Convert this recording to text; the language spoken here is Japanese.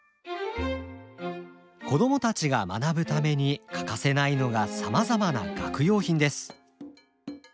子供たちが学ぶために欠かせないのがさまざまな学用品です。